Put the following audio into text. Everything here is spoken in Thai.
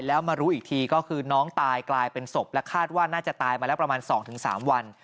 แล้วมารู้อีกทีก็คือน้องตายกลายเป็นศพและคาดว่าน่าจะตายมาแล้วประมาณ๒๓วัน